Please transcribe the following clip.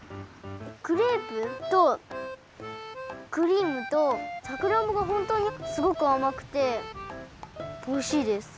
クレープとクリームとさくらんぼがほんとうにすごくあまくておいしいです。